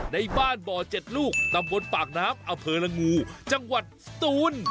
ในบ้านบ่อเจ็ดลูกตามบนปากน้ำอเผลงงูจังหวัดสตูน